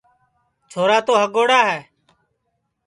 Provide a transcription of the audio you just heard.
چھورا تو ہگوڑا ہے